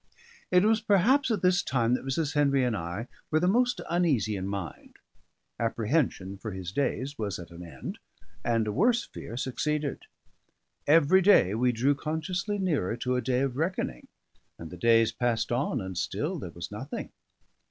It was perhaps at this time that Mrs. Henry and I were the most uneasy in mind. Apprehension for his days was at an end; and a worse fear succeeded. Every day we drew consciously nearer to a day of reckoning; and the days passed on, and still there was nothing.